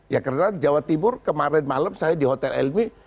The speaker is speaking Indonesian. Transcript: ya karena jawa timur kemarin malam saya di hotel elmi